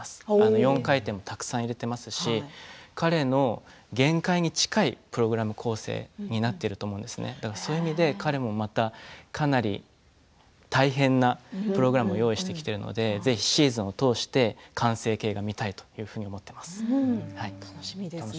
４回転もとにかくたくさん入れていますし、彼の限界に近いプログラム構成になってると思います、そういった意味で彼もまたかなり大変なプログラムも用意してきているのでシーズンを通して完成形が見たいと思っています。